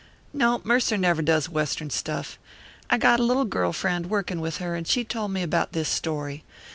"No, Mercer never does Western stuff. I got a little girl friend workin' with her and she told me about this story.